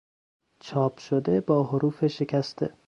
چاپ شده با حروف شکسته